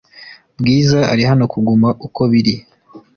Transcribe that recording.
Bwiza ari hano kuguma uko biri